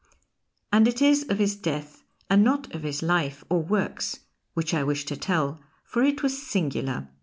And it is of his death and not of his life or works which I wish to tell, for it was singular.